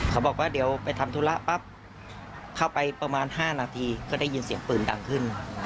เขาบอกว่าเดี๋ยวไปทำธุระปั๊บเข้าไปประมาณ๕นาทีก็ได้ยินเสียงปืนดังขึ้น